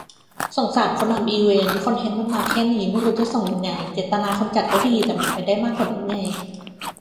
สงสารคนทำอีเวนต์ คอนเทนต์มันมาแค่นี้ ไม่รู้จะส่งยังไง เจตนาคนจัดก็ดี แต่มันไปได้มากกว่านี้ไง